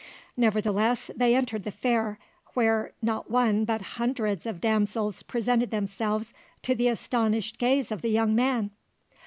Nevertheless they entered the fair, where not one but hundreds of damsels presented themselves to the astonished gaze of the young man.